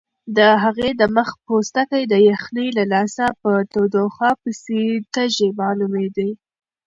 د هغې د مخ پوستکی د یخنۍ له لاسه په تودوخه پسې تږی معلومېده.